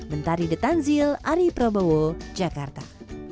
bentar di the tanzil ari prabowo jakarta